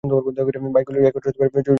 বাইকগুলিও একই ক্ষেত্রে জড়িত কিনা চেক কর।